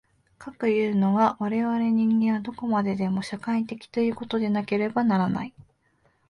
かくいうのは、我々人間はどこまでも社会的ということでなければならない。